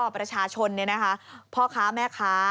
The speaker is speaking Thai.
ประชาชนพ่อค้าแม่ค้า